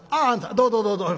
どうぞどうぞ」。